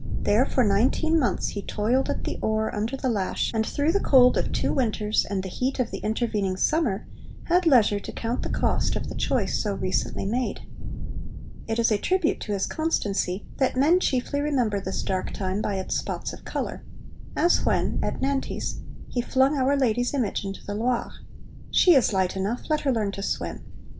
There for nineteen months he toiled at the oar under the lash, and through the cold of two winters, and the heat of the intervening summer, had leisure to count the cost of the choice so recently made. It is a tribute to his constancy that men chiefly remember this dark time by its spots of colour as when, at Nantes, he flung Our Lady's image into the Loire 'She is light enough: let her learn to swim!'